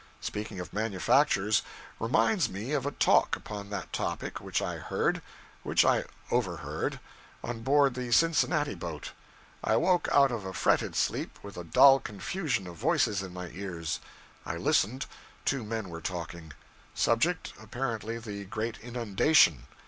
Speaking of manufactures reminds me of a talk upon that topic which I heard which I overheard on board the Cincinnati boat. I awoke out of a fretted sleep, with a dull confusion of voices in my ears. I listened two men were talking; subject, apparently, the great inundation.